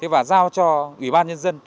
và giao cho ủy ban nhân dân